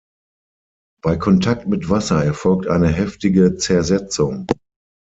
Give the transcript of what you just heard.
Bei Kontakt mit Wasser erfolgt eine heftige Zersetzung.